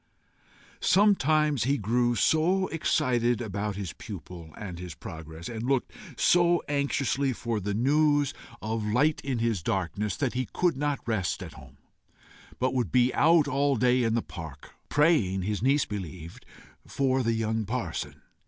Sometimes he grew so excited about his pupil and his progress, and looked so anxiously for the news of light in his darkness, that he could not rest at home, but would be out all day in the park praying, his niece believed, for the young parson.